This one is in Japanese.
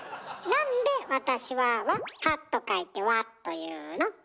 なんで「私は」は「は」と書いて「わ」というの？